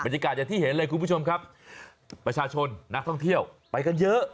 อย่างที่เห็นเลยคุณผู้ชมครับประชาชนนักท่องเที่ยวไปกันเยอะ